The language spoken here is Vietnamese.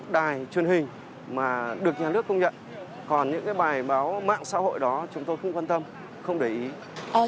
đài truyền hình mà được nhà nước công nhận còn những cái bài báo mạng xã hội đó chúng tôi không quan tâm không để ý